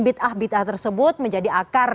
bit'ah bit'ah tersebut menjadi akar